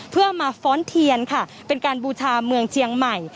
เพื่อมาฟ้อนเทียนค่ะเป็นการบูชาเมืองเจียงใหม่